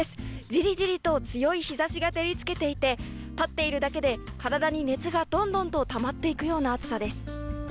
じりじりと強い日ざしが照りつけていて、立っているだけで体に熱がどんどんとたまっていくような暑さです。